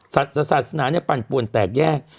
ศาสนาปั่นป่วนแตกแยก